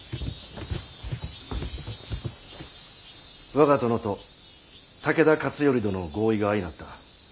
我が殿と武田勝頼殿の合意が相成った。